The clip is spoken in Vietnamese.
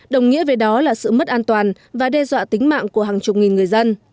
đồng nghĩa về đó là sự mất an toàn và đe dọa tính mạng của hàng chục nghìn người